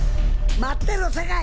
待ってろ、世界！